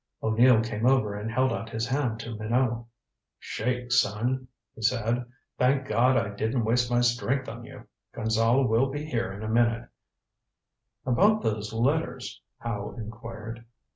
O'Neill came over and held out his hand to Minot. "Shake, son," he said. "Thank God I didn't waste my strength on you. Gonzale will be in here in a minute " "About those letters?" Howe inquired.